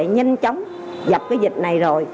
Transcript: nhanh chóng dập cái dịch này rồi